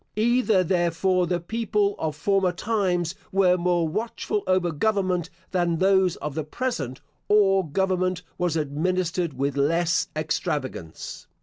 Either, therefore, the people of former times were more watchful over government than those of the present, or government was administered with less extravagance.